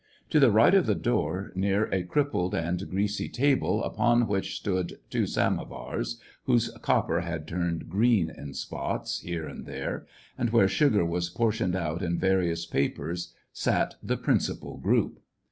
To the right of the door, near a crippled and greasy table, upon which stood two samovars, whose copper had turned green in spots, here and there, and where sugar was portioned out in various papers, sat the principal group.